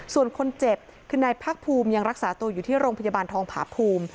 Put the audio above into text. ส่วนคนเจ็บคือนายภาคภูมิยังรักษาตัวอยู่ที่โรงพยาบาลทองผาภูมิ